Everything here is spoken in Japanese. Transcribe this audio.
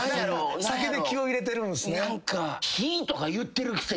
酒で気を入れてるんすね。